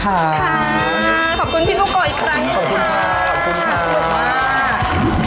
ขอบคุณพี่บุโกะอีกครั้งขอบคุณค่ะ